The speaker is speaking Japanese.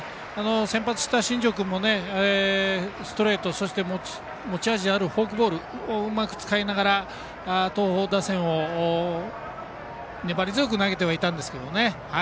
先発した新庄君もストレート、そして持ち味のフォークボールをうまく使いながら東邦打線を粘り強く投げていましたね。